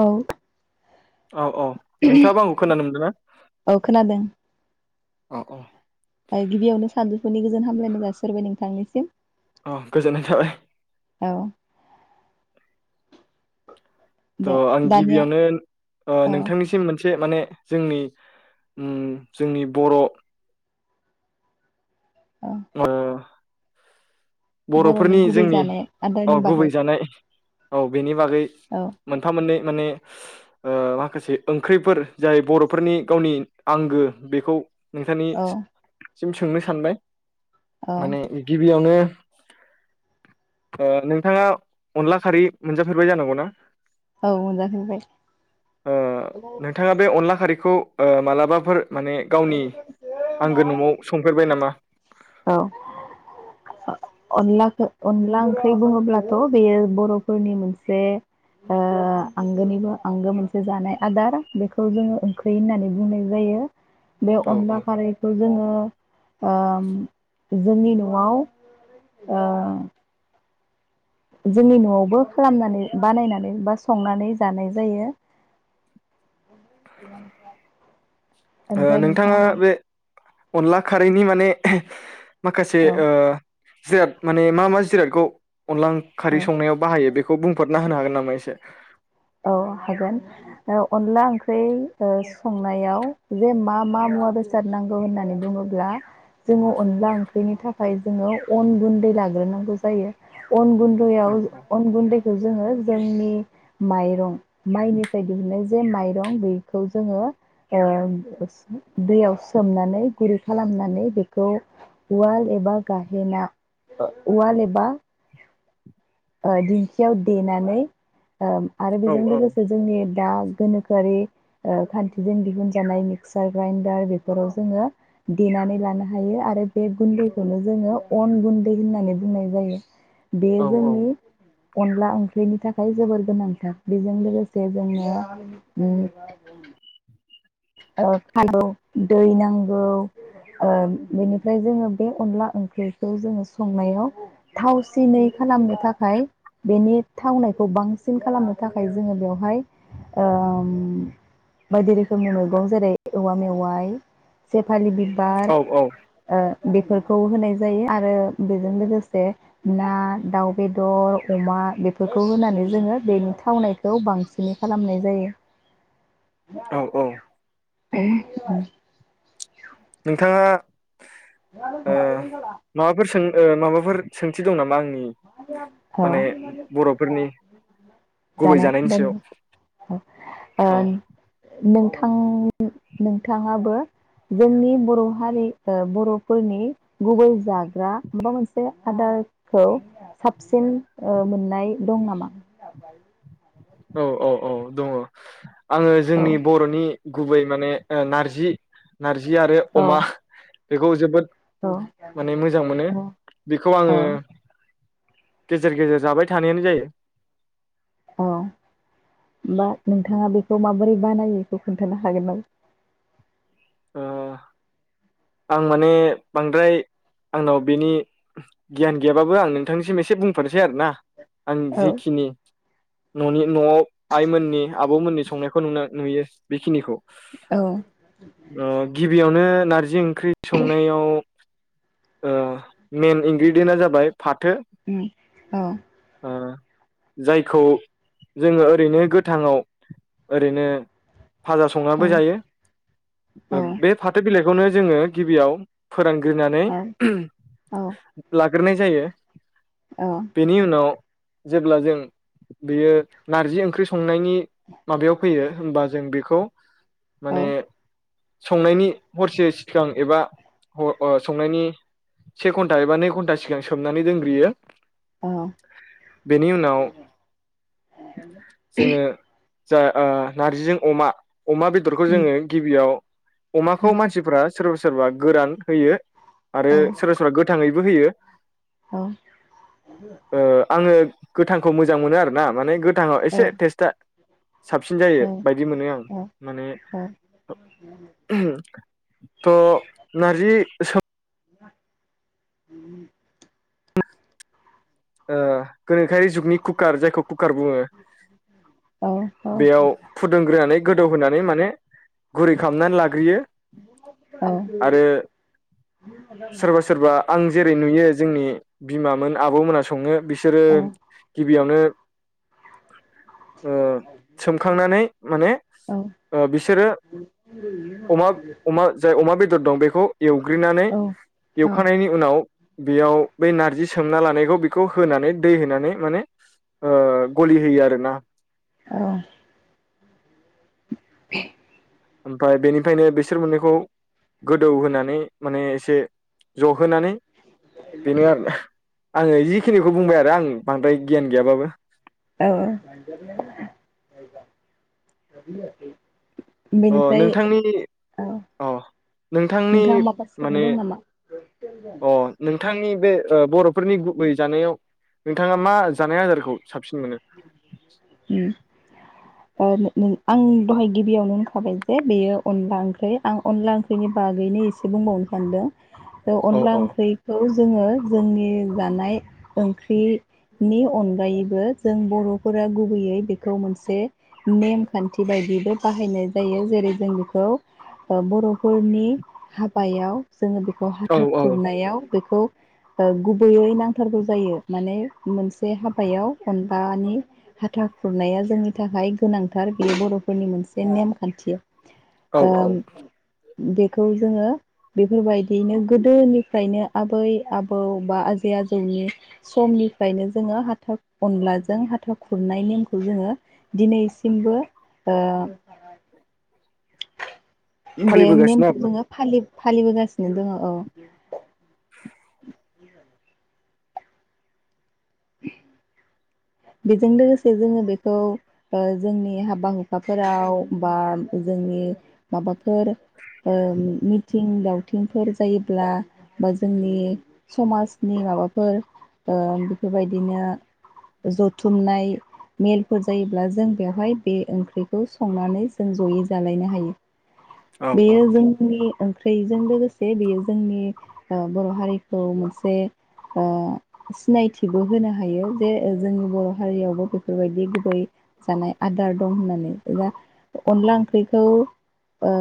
औ औ औ नोंथाङाबो आंखौ खोनानो मोनदोंना औ खोनादों अ अ ओ गिबियावनो सानजौफुनि गोजोन हामलायनाय जासिहरबाय नोंथांनिसिम अह गोजोननाय थाबाय औ दा थ' आं दानिया गिबियावनो ओ औ नोंथांनिसिम मोनसे माने जोंनि उम जोंनि बर' अह ओ बर'नि बर'फोरनि गुबै जोंनि जानाय आदारनि बा बागै गुबै जानाय औ बेनि बागै औ मोनफा मोननै माने ओ माखासे ओंख्रिफोर जाय बर'फोरनि गावनि आंगो बेखौ औ नोंथांनिसिम सोंनो सानबाय औ माने गिबियावनो ओ नोंथाङा अनला खारै मोनजाफेरबाय जानांगौ ना औ मोनजाफेरबाय अ नोंथां थाङा बे अनला खारिखौ ओ मालाबाफोर माने गावनि आंगो न'आव संफेरबाय नामा? औ। [unintelligible] अनलाखो अनला ओंख्रि बुङोब्लाथ' बेयो बर'फोरनि मोनसे ओ आंगोनिबो आंगो मोनसे जानाय आदार बेखौ जोङो ओंख्रि होननानै बुंनाय जायो। बे औ अनला औ खारैखौ जोङो ओ जोंनि न'आव ओ जोंनि न'आवबो खालामनानै बानायनानै बा संनानै जानाय जायो। ओ ओमफ्राय नोंथाङा मा बे अनला खारैनि माने माखासे औ ओ जिराद माने मा मा जिरादखौ अनदला औ खारै संनायाव बाहायो बे खौ बुंफोरना होनो हागोन नामा एसे अ हागोन। ओ अनला ओंख्रै ओ संनायाव जे मा-मा मुवा बे सारनांगौ होननानै बुङोब्ला जोङो अनला ओंख्रिनि थाखाय जोङो अन गुन्दै लाग्रोनांगौ जायो अन गुन औ दैयाव अन गुन्दैखौ जोङो जोंनि माइरं माइनिफ्राय दिहुननाय जे माइरं बेखौ जोङो ओ दैयाव सोमनानै गुरै खालामनानै बेखौ उवाल एबा गाहेना ओ उवाल एबा ओ दिंखियाव देनानै ओ आरो औ बेजों लोगोसे जोंनि दा गोनोखोआरि ओ खान्थिजों दिहुनजानाय मिक्सार ग्राइन्डार बेफोराव जोङो देनानै लानो हायो आरो बे गुन्दैखौनो जोङो अन गुन्दै होननानै बुंनाय जायो। बे औ जोंनि अनला ओंख्रिनि थाखाय जोबोर गोनांथार बेजों लोगोसे जोङो उम औ फालौ दै नांगौ। ओ बेनिफ्राय जोङो बे अनला ओंख्रिखौ जोङो संनायाव थावसिनै खालामनो थाखाय बेनि थावनायखौ बांसिन खालामनो थाखाय जोङो बेवहाय ओम बायदि रो खोमनि मैगं जेरै औवा मेवाइ सेेफालि बिबार औ औ ओ बेफोरखौ होनाय जायो आरो बेजों लोगोसे ना दाउ बेदर अमा बेफोरखौ होनानै जोङो बेनि थावनाय खौ बांसिनै खालामनाय जायो। औ-औ। [unintelligible] नोंथाङा होआनो ओ खोमालै रिजाला माबाफोर सों ओ माबाफोर सोंथि दं नामा आंनि [unintelligible] औ माने बर'फोरनि गुबै जानाय जानायनि लों सायाव? ओम औ नोंथां-नोंथाङाबो जोंनि बर' हारि ओ बर'फोरनि गुबै जाग्रा माबा मोनसे आदारखौ साबसिन ओ मोननाय ओ दं नामा? औ-औ-औ दङ आङो औ जोंनि बर'नि गुबै माने ओ नारजि-नारजि आरो औ अमा बेखौ जोबोद औ माने मोजां मोनो औ बेखौ औ आङो गेजेर-गेजेर जाबाय थानायानो जायो। औ होमबा नोंथाङा बेखौ माबोरै बानायो बेखौ खोन्थानो हागोन नामा? ओ [inaudible] आं माने बांद्राय आंनाव बिनि गियान गैयाबाबो आं नोंथांनिसिम एसे बुंफोरनोसै आरो ना आं औ जेखिनि न'नि न'आव आइमोननि आबमोननि संनायखौ नुनो नुयो बेखिनिखौ। औ। ओ गिबियावनो नारजि ओंख्रि संनायाव ओ मेइन इनग्रेडियेन्टआ जाबाय फाथो उम औ ओ जायखौ जोङो ओरैनो गोथाङाव ओरैनो फाजा औ संनानैबो जायो। औ ओ बे फाथो बिलाइखौनो जोङो गिबियाव फोरानग्रोनानै औ [unintelligible] लाग्रोनाय जायो। औ। बेनि उनाव जेब्ला जों बेयो नारजि ओंख्रि स संनायनि माबायाव फैयो होमबा जों बेखौ औ माने संनायनि हरसे सिगां एबा हर अ संनायनि से घन्टा एबा नै घन्टा सिगां सोमनानै दोनग्रोयो। औ बेनि उनाव जोङो जा ओ नारजिजों अमा, अमा बेदरखौ उम जोङो गिबियाव औ अमाखौ मानसिफोरा सोरबा सोरबा गोरान होयो आरो औ सोरबा सोरबा गोथाङैबो होयो। अ। ओ आङो गोथांखौ मोजां मोनो आरो ना माने गोथाङाव औ एसे टेस्टआ साबसिन जायो औ बायदि मोनो आं, माने [inaudible] [unintelligible] थ' नारजि सो [inaudible] ओ गोनोखोआरि जुगनि कुकार जायखौ कुकार बुङो, बेयाव फुदुंग्रोनानै गोदौहोनानै माने गुरै खालामनानै लाग्रोयो। आरो औ। सोरबा [inaudible] सोरबा आं जेरै नुयो जोंनि बिमामोन आब'मोना सङो बिसोरो औ गिबियावनो ओ सोमखांनानै माने औ ओ बिसोरो अमा [unintelligible] अमा जाय अमा बेदर दं बेखौ एवग्रोनानै औ औ एवखानायनि‌ उनाव बेयाव बै नारजि सोमना लानायखौ बेखौ होनानै दै होनानै माने ओ गलि होयो आरोना। ओ। [inaudible] आमफ्राय बेनिफ्रायनो बिसोर मोननैखौ गोदौहोनानै माने एसे जहोनानै बेनो आरोना। आङो जिखिनिखौ बुंबाय आरो आं बांद्राय गियान गैयाबाबो। औ। [unintelligible] अ बेनिफ्राय नोंथांनि ओ अ नोंथांनि नोंथाङा माबा सोंनो माने दं नामा? [unintelligible] अ नोंथांनि बे ओ बर'फोरनि गुबै जानायाव नोंथाङा मा जानाय आदारखौ साबसिन मोनो? उम। ओ नो नो आं दहाय गिबियावनो होनखाबाय जे बेयो अनला ओंख्रै। आं अनला ओंख्रै नि बागैनो एसे बुंबावनो सानदों। औ अनला ओंख्रिखौ जोङो जोंनि जानाय ओंख्रिनि अनगायैबो जों बर'फोरा गुबैयै बेखौ मोनसे नेमखान्थि बायदिबो बाहायनाय जायो जेरै जों बेखौ बर'फोरनि हाबायाव जोङो बेखौ औ हाथा औ खुरनायाव बेखौ ओ गुबैयै नांथारगौ जायो माने मोनसे हाबायाव अनलानि हाथा खुरनाया जोंनि थाखाय गोनांथार बेयो बर'फोरनि मोनसे नेमखान्थि औ औ ओम बेखौ जोङो बेफोरबायदियैनो गोदोनिफ्रायनो आबै आबौ बा आजै आजौनि समनिफ्रायनो जोङो हाथा अनलाजों हाथाव खुरनाय नेमखौ जोङो दिनैसिमबो ओ [unintelligible] बे फालिबोगासिनो आरोना नेमखौबो फालि फालिबोगासिनो दङ', औ। [inaudible] बेजों लोगोसे जोङो बेखौ जोंनि हाबा हुखाफोराव बा जोंनि माबाफोर ओ मिथिं दावथिंफोर जायोब्ला बा जोंनि समाजनि माबाफोर बेफोरबायदिनो जथुमनाय मेलफोर जायोब्ला जों बेवहाय बे ओंख्रिखौ संनानै जों जयै जालायनो हायो। औ औ बेयो जोंनि ओंख्रि थैजों लोगोसे बेयो जोंनि बर' हारिखौ मोनसे ओ सिनायथि थिबो होनो हायो जे जोंनि बर' हारियावबो बेफोरबायदि गुबै जानाय आदार दं होननानै एबा अनला ओंख्रिखौ ओ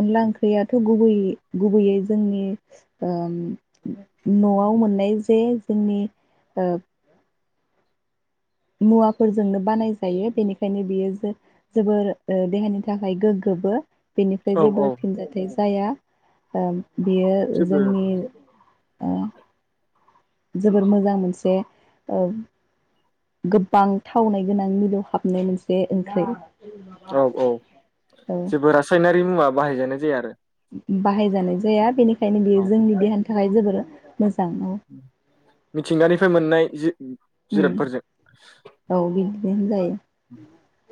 अनला ओंख्रियाथ' गुबैयै-गुबैयै जोंनि ओ न'आव मोननाय जे जोंनि ओ मुवाफोरजोंनो बानाय जायो बेनिखायनो बियो जो जोबोर देहानि थाखाय गोग्गोबो बेनिफ्राय औ जेबो औ फिनजाथाइ जाया ओ बियो जेबो जोंनि ओ जोबोर मोजां मोनसे ओ गोबां थावनाय गोनां मिलौ हाबनाय मोनसे ओंख्रि। औ औ औ जेबो रासायनारि मुवा बाहायजानाय जाया आरो। बाहायजानाय जाया बेनिखायनो बियो जोंनि देहानि थाखाय जोबोर मोजां औ। मिथिंगानिफ्राय मोननाय उम जि-जिरादफोरजों औ बिदिनो होन जायो। [unintelligible]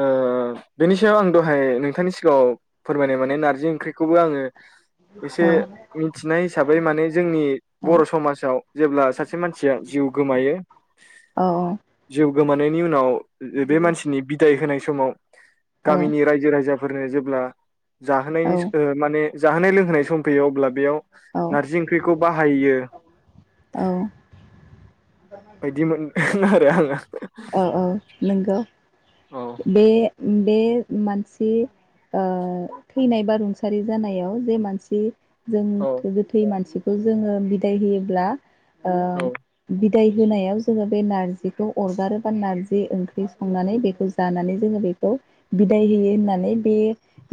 ओ बेनि सायाव आं दहाय नोंथांनि सिगाङाव फोरमायनाय माने नार्जि ओं ख्रिखौबो आङो [unintelligible] बे मिथिनाय हिसाबै माने जोंनि औ बर' समाजाव जेब्ला सासे मानसिया जिउ गोमायो औ औ जिउ गोमानायनि उनाव बे मानसिनि बिदाय होनाय समाव औ गामिनि रायजो राजा फोरनो जेब्ला जाहोनायनि औ ओ माने जाहोनाय लोंहोनाय सम फैयो अब्ला बेयाव औ नारजि ओंख्रिखौ बाहायो। औ बायदि मोनदों आरो आङो। औ औ नंगौ औ बे-बे मानसि ओ थैनाय बा रुंसारि जानायाव जे मानसि जों औ थो गोथै मानसिखौ जोङो बिदाय होयोब्ला ओ औ बिदाय होनायाव जोङो बे नारजिखौ अर नारोबा नारजि ओंख्रि संनानै बेखौ जानानै जोङो बेखौ बिदाय होयो होननानै बे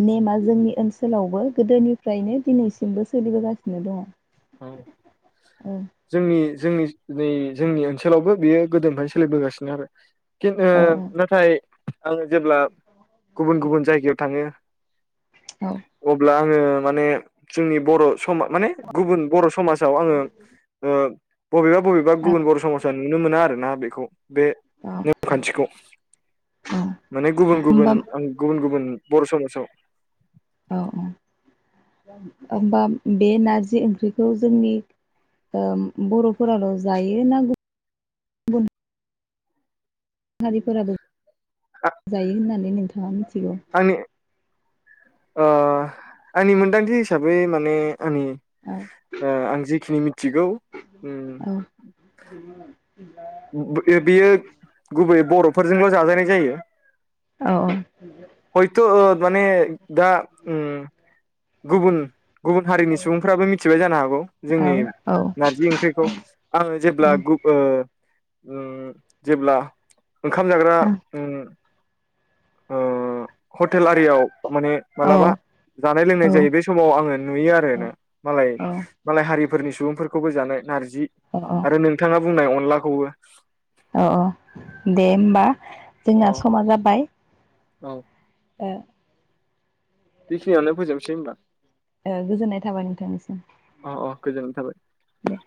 नेमाव जोंनि ओनसोलावबो गोदोनिफ्रायनो दिनैसिमबो सोलिबोगासिनो दङ। औ उम जोंनि जोंनि नै जोंनि ओनसोलावबो बेयो गोदोनिफ्रायनो सोलिबोगासिनो आरो। खिन ओ औ नाथाय आं जेब्ला गुबुन गुबुन जायगायाव थाङो औ अब्ला आङो माने जोंनि बर' सम माने गुबुन बर' समाजाव आङो ओ बबेबा बबेबा गुबुन बर' समाजा नुनो मोना आरोना बेखौ बे औ नेमखान्थिखौ। औ माने गुबुन होमबा गुबुन आं गुबुन गुबुन बर' समाजाव औ औ होनबा बे नारजि ओंख्रिखौ जोंनि बर'फोराल' जायो ना गुबुन हारिफोराबो जायो होननानै नोंथाङा मिथिगौ? आंनि ओ आंनि मोनदांथि हिसाबै माने ओम आंनि औ आं जेखिनि मिथिगौ उम [inaudible] [inaudible] बियो गुबै बर'फोरजोंल' जाजानाय जायो। औ औ [inaudible] हयथ' ओ माने दा उम गुबुन गुबुन हारिनि सुबुंफ्राबो मिथिबाय जानो हागौ औ जोंनि औ औ नारजि ओंख्रिखौ आङो जेब्ला औ ओ ओम जेब्ला ओंखाम जाग्रा उम ओ ओ हटेल आरियाव माने मालाबा जानाय लोंनाय जायो बे समाव आङो नुयो आरो ना मालाय औ मालाय हारिफोरनि सुबुंफोरखौबो जानाय नारजि अ अ आरो नोंथाङा बुंनाय अनलाखौबो अ दे होमबा अ जोंना समा जाबाय। औ ओ बेखिनियावनो फोजोबनोसै होमबा ओ गोजोननाय थाबाय नोंथांनिसिम अ अ गोजोननाय थाबाय। दे